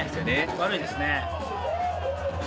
悪いですね。